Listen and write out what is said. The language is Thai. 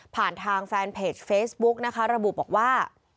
ผ่านทางแฟนเพจเฟซบุ๊กนะคะระบุบอกว่า